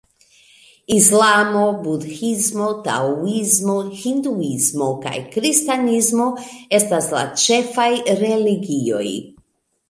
Islamo, Budhismo, Taoismo, Hinduismo kaj Kristanismo estas la ĉefaj religioj.